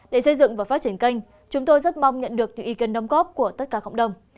để xây dựng và phát triển kênh chúng tôi rất mong nhận được những ý kiến đóng góp của tất cả cộng đồng